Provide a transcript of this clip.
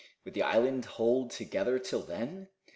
Would the island hold together till then?